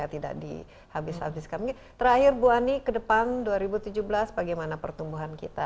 tidak dihabis habiskan terakhir bu ani ke depan dua ribu tujuh belas bagaimana pertumbuhan kita